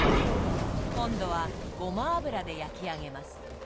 今度はごま油で焼き上げます。